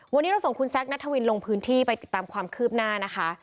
วันนี้เราส่งคุณแซคนัทวินลงพื้นที่ไปติดตามความคืบหน้านะคะ